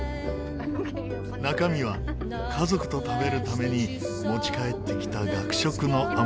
中身は家族と食べるために持ち帰ってきた学食の余り。